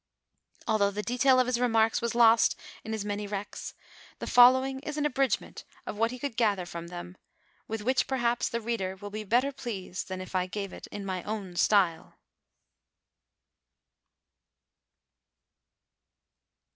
Although the detail of his remarks was lost in his many wrecks, the following is an abridgment of what he could gather from them, with which, perhaps, the reader will be better pleased than if I gave it in my own style.